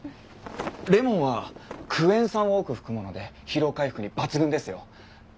レモンはクエン酸を多く含むので疲労回復に抜群ですよ。